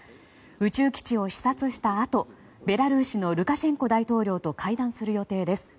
宇宙基地を視察したあとベラルーシのルカシェンコ大統領と会談する予定です。